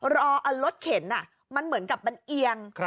รอรดเข็นนู้นน่ะมันเหมือนกับมันเอียง